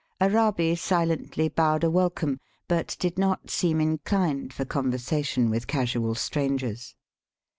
Arabi silently bowed a welcome, but did not seem inchned for conversation with casual strangers.